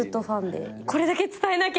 これだけ伝えなきゃみたいな。